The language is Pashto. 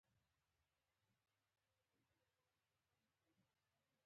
پښتانه باید د ډیورنډ کرښې د ختمولو لپاره خپل یووالی ثابت کړي.